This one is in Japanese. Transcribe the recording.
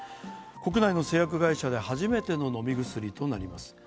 国内の製薬会社で初めての飲み薬となります。